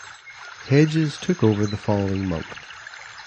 Hedges took over the following month.